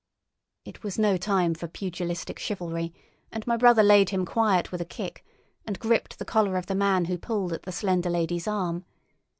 It was no time for pugilistic chivalry and my brother laid him quiet with a kick, and gripped the collar of the man who pulled at the slender lady's arm.